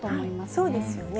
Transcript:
そうですよね。